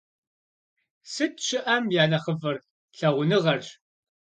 Сыт щыӀэм я нэхъыфӀыр? Лъагъуныгъэрщ!